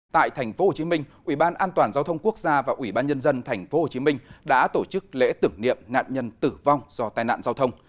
tại tp hcm ủy ban an toàn giao thông quốc gia và ủy ban nhân dân tp hcm đã tổ chức lễ tưởng niệm nạn nhân tử vong do tai nạn giao thông